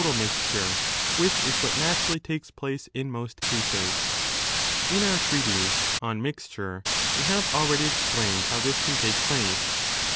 COLOUR AND MIXTURE 163 mixture, which is what naturally takes place in most cases. In our treatise On Miature we have already explained how this can take place.